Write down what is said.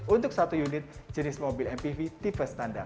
untuk satu unit jenis mobil mpv tipe standar